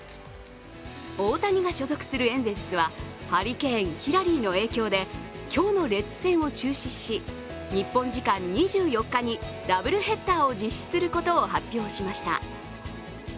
大谷が所属するエンゼルスはハリケーン・ヒラリーの影響で今日のレッズ戦を中止し、日本時間２４日にダブルヘッダーを実施することを発表しました。